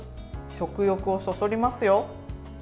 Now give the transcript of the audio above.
食欲をそそりますよ。